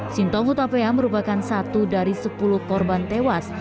sintong hutapea merupakan satu dari sepuluh korban tewas